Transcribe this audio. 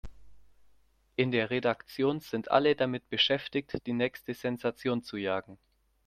In der Redaktion sind alle damit beschäftigt, die nächste Sensation zu jagen.